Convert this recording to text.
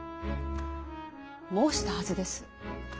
申したはずです。